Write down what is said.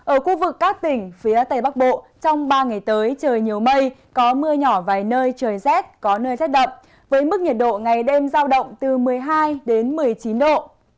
ở khu vực các tỉnh phía tây bắc bộ trong ba ngày tới trời nhiều mây có mưa nhỏ vài nơi trời rét có nơi rét đậm với mức nhiệt độ ngày đêm giao động từ một mươi hai đến một mươi chín độ